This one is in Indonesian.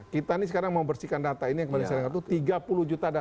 kita nih sekarang mau bersihkan data ini yang kemarin saya dengar itu tiga puluh juta data